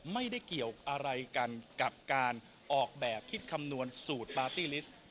ไม่ได้เกี่ยวอะไรกันกับการออกแบบคิดคำนวณสูตรปาร์ตี้ลิสต์